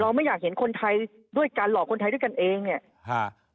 ไม่อยากเห็นคนไทยด้วยกันหลอกคนไทยด้วยกันเองเนี่ยฮะ